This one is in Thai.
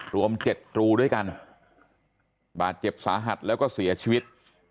รวม๗รูด้วยกันบาดเจ็บสาหัสแล้วก็เสียชีวิต